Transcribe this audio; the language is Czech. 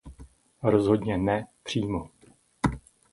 Rozhodně ne přímo.